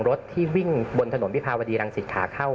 รถที่วิ่งบนถนนวิภาวดีรังสิตขาเข้า